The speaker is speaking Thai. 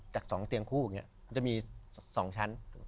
จากสองเตียงคู่อย่างเนี้ยมันจะมีสองชั้น